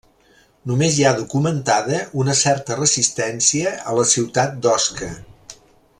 Només hi ha documentada una certa resistència a la ciutat d'Osca.